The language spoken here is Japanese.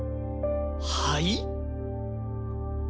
はい！？